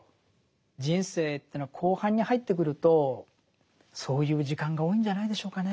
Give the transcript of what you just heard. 人生というのは後半に入ってくるとそういう時間が多いんじゃないでしょうかね。